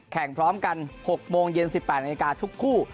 พร้อมกัน๖โมงเย็น๑๘นาฬิกาทุกคู่